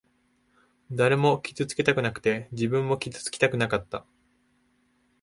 誰も傷つけたくなくて、自分も傷つきたくなかった。